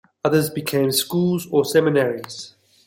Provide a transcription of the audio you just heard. Others became schools or seminaries.